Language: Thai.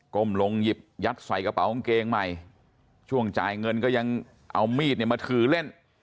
้มลงหยิบยัดใส่กระเป๋ากางเกงใหม่ช่วงจ่ายเงินก็ยังเอามีดเนี่ยมาถือเล่น